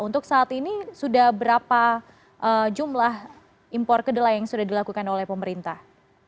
untuk saat ini sudah berapa jumlah impor kedelai yang sudah dilakukan oleh pemerintah